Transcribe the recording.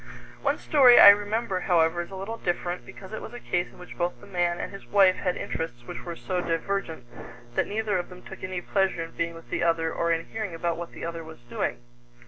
One story I remember, however, is a little different, because it was a case in which both the man and his wife had interests which were so divergent that neither of them took any pleasure in being with the other or in hearing about what the other was doing.